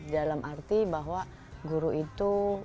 dalam arti bahwa guru itu